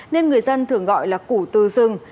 nên người dân thường gọi là củ tư rừng